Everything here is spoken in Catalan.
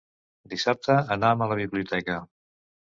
Dissabte anam a la biblioteca.